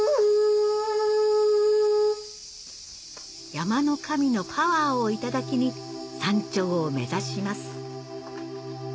山の神のパワーを頂きに山頂を目指します